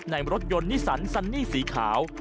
มันกลับมาแล้ว